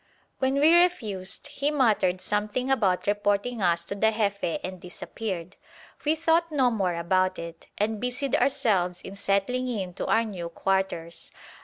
When we refused, he muttered something about reporting us to the Jefe and disappeared. We thought no more about it, and busied ourselves in settling in to our new quarters.